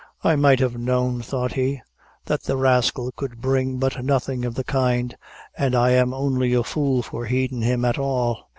"I might have known," thought he, "that the rascal could bring about nothing of the kind, an' I am only a fool for heedin' him at all."